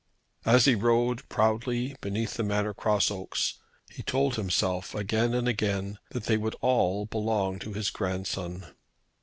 As he rode proudly beneath the Manor Cross oaks he told himself again and again that they would all belong to his grandson.